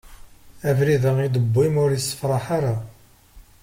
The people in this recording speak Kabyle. Abrid-a i d-tewwim ur issefraḥ ara.